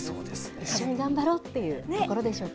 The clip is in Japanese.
一緒に頑張ろうっていうところでしょうか。